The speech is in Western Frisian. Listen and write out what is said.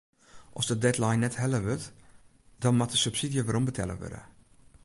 As de deadline net helle wurdt dan moat de subsydzje werombetelle wurde.